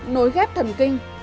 nối ghép thần kinh